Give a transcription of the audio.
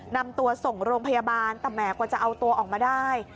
นำตัวส่งโรงพยาบาลแต่แหมกว่าจะเอาตัวออกมาได้